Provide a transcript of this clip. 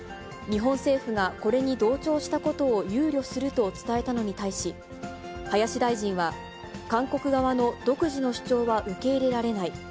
日本政府がこれに同調したことを憂慮すると伝えたのに対し、林大臣は、韓国側の独自の主張は受け入れられない。